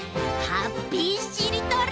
ハッピーしりとり？